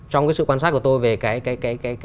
trong cái sự quan sát của tôi về cái